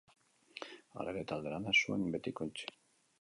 Halere, talde-lana ez zuen betiko utzi.